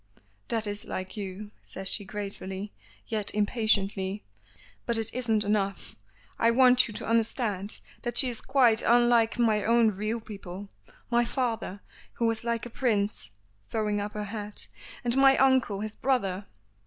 "That is like you," says she gratefully, yet impatiently. "But it isn't enough. I want you to understand that she is quite unlike my own real people my father, who was like a prince," throwing up her head, "and my uncle, his brother."